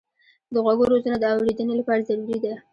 د غوږو روزنه د اورېدنې لپاره ضروري ده.